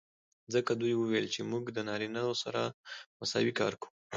ځکه دوي وويل چې موږ د نارينه سره مساوي کار کو.